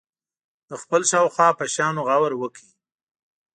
د خپل شاوخوا په شیانو غور وکړي.